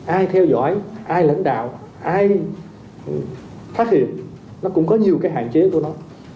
ai theo dõi ai lãnh đạo ai phát hiện nó cũng có nhiều cái hạn chế của nó